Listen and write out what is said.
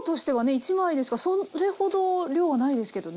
１枚ですからそれほど量はないですけどね。